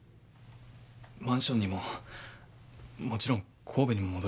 マンションにももちろん神戸にも戻れなくて。